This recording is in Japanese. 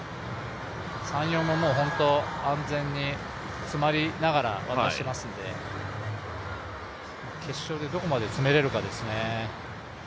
３、４も本当、安全に詰まりながら渡してますので決勝でどこまで詰めれるかですね。